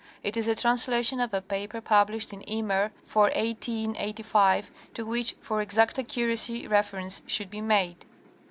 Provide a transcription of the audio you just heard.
It is a translation of a paper published in Ymer for 1885, to which for exact accuracy reference should be made.